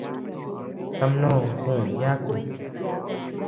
Tamnoo kuʼuu yáku.